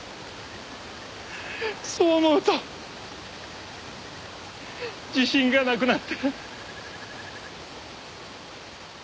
そう思うと自信がなくなって。